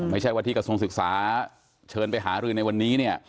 ไม่ใช่ว่าที่กระทรวงศึกษาเชิญไปหารือในวันนี้เนี่ย